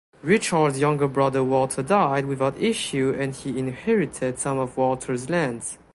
Richard’s younger brother Walter died without issue and he inherited some of Walter’s lands.